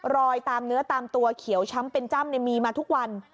รอยตามเนื้อตามตัวเขียวช้ำเป็นจ้ำมีมาทุกวัน